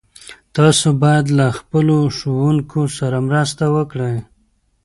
تاسو باید له خپلو ښوونکو سره مرسته وکړئ.